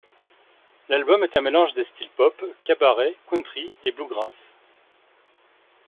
L'album est un mélange des styles pop, cabaret, country, et bluegrass.